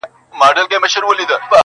يار ژوند او هغه سره خنـديږي.